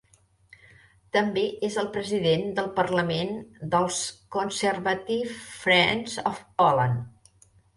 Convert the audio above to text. També és el president del parlament dels Conservative Friends of Poland.